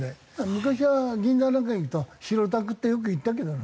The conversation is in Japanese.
昔は銀座なんか行くと白タクってよくいたけどな。